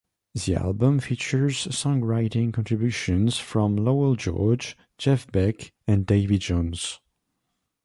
The album features songwriting contributions from Lowell George, Jeff Beck and Davy Jones.